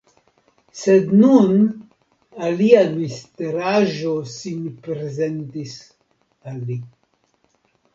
Sed nun alia misteraĵo sin prezentis al li.